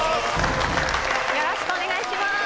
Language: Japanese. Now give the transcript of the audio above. よろしくお願いします！